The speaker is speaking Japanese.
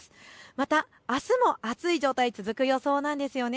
またあすも暑い状態が続く予想なんですよね。